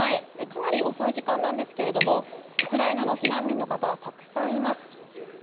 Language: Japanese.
かなり遅い時間なんですがウクライナの避難民の方たくさんいます。